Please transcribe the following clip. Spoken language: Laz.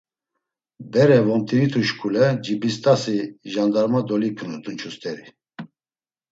Bere vomt̆initu şuǩule Cibist̆asi jandarma dolipinu dunç̌u st̆eri.